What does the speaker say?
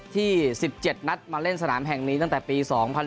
ที่๑๗นัดมาเล่นสนามแห่งนี้ตั้งแต่ปี๒๐๑๖